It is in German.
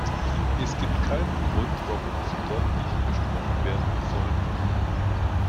Es gibt keinen Grund, warum sie dort nicht besprochen werden sollte.